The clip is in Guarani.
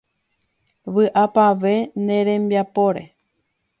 Vy'apavẽ ne rembiapóre.